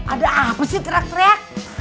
ada apa sih kreak kreak